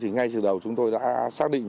ngay từ đầu chúng tôi đã xác định